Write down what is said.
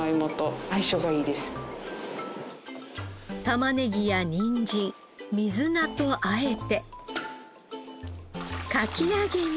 たまねぎやにんじん水菜と和えてかき揚げに。